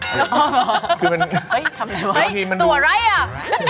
เฮ้ยทำอะไรเฮ้ยตัวไรอะ